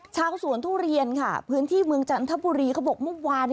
ชาวสวนทุเรียนค่ะพื้นที่เมืองจันทบุรีเขาบอกเมื่อวาน